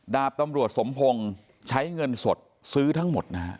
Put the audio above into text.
ดาบตำรวจสมพงศ์ใช้เงินสดซื้อทั้งหมดนะฮะ